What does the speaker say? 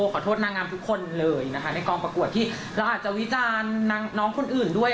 ขอโทษนางงามทุกคนเลยนะคะในกองประกวดที่เราอาจจะวิจารณ์น้องคนอื่นด้วย